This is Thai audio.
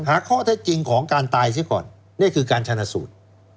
หาข้อเท็จจริงของการตายซิก่อนนี่คือการชนะสูตร